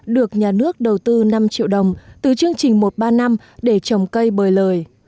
được nhà nước đầu tư năm triệu đồng từ chương trình một ba năm để trồng cây bời lời